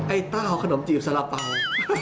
ไอ้ต้าเอาขนมจีบสระเป๋า